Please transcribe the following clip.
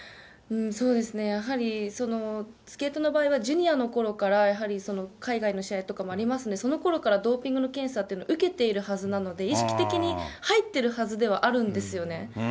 そうですね、やはりスケートの場合は、ジュニアのころから、やはり海外の試合とかもありますので、そのころからドーピングの検査というのは受けているはずなので、意識的に、入ってるはずではあるんですよね。